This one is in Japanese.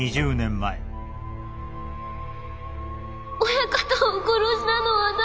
親方を殺したのは誰？